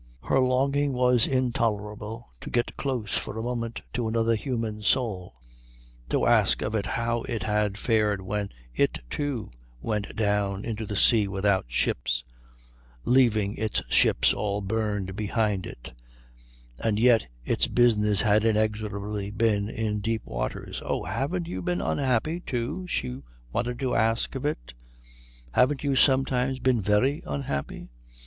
Her longing was intolerable to get close for a moment to another human soul, to ask of it how it had fared when it, too, went down into the sea without ships, leaving its ships all burned behind it, and yet its business had inexorably been in deep waters. "Oh, haven't you been unhappy, too?" she wanted to ask of it "haven't you sometimes been very unhappy?